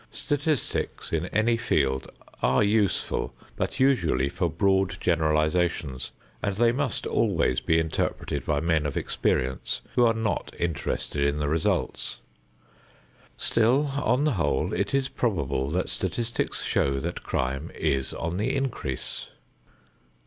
Statistics in any field are useful, but usually for broad generalizations, and they must always be interpreted by men of experience who are not interested in the results. Still, on the whole, it is probable that statistics show that crime is on the increase.